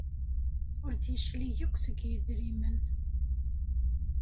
Ur d-yeclig akk seg yedrimen.